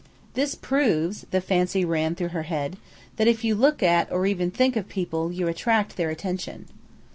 "This proves," the fancy ran through her head, "that if you look at or even think of people, you attract their attention."